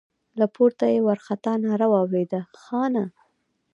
له پورته يې وارخطا ناره واورېده: خانه!